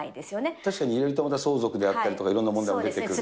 確かに入れるとまた相続であったり、いろんな問題も出てくる。